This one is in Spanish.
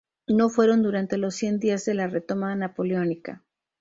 No fueron durante los Cien Días de la retoma napoleónica.